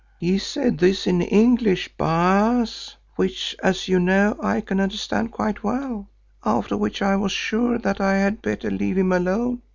"He said this in English, Baas, which as you know I can understand quite well, after which I was sure that I had better leave him alone.